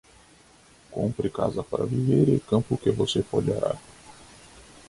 Compre casa para viver e campo que você pode arar.